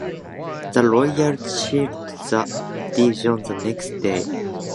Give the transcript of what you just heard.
The Royals clinched the division the next day.